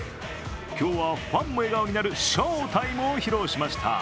今日はファンも笑顔になる翔タイムを披露しました。